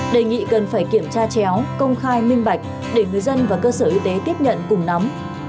đề nghị cần phải kiểm tra chéo công khai minh bạch để người dân và cơ sở y tế tiếp nhận cùng nắm